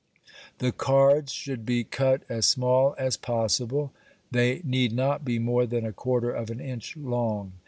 The cards should be cut as small as possible; they need not be more than a quarter of an inch long.